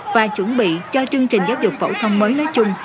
và chuẩn bị cho chương trình giáo dục phổ thông mới nói chung